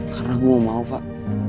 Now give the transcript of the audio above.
karena gue mau maaf pak